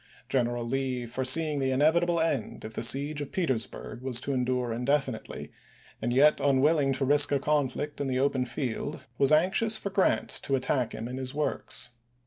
General Lee, foreseeing the inevitable end if the siege of Petersburg was to endure indefinitely, and yet unwilling to risk a conflict in the open field, was anxious for Grant to attack him in his works.